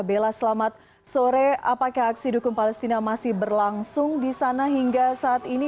bella selamat sore apakah aksi dukung palestina masih berlangsung di sana hingga saat ini